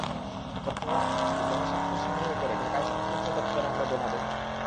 চট্টগ্রাম থেকে গণস্বাক্ষর সংগ্রহ করে ঢাকায় সংশ্লিষ্ট দপ্তরে আমরা জমা দেব।